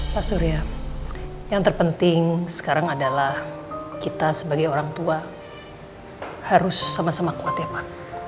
pak surya yang terpenting sekarang adalah kita sebagai orang tua harus sama sama kuat ya pak